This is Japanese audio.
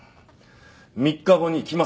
３日後に来ます。